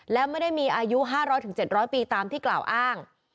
และไม่ได้มีอายุ๕๐๐๗๐๐ปีตามที่กล่าวอ้าง